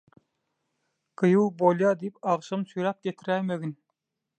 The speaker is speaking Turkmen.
– Gyýw, bolýa diýip agşam süýräp getiräýmegin.